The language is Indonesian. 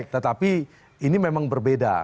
tetapi ini memang berbeda